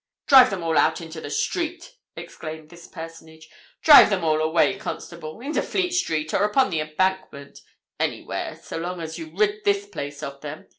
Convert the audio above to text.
"Drive them all out into the street!" exclaimed this personage. "Drive them all away, constable—into Fleet Street or upon the Embankment—anywhere, so long as you rid this place of them.